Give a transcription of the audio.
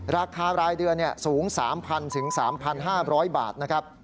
ราคารายเดือนสูง๓๐๐๓๕๐๐บาทนะครับ